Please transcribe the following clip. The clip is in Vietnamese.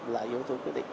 là yếu tố quyết định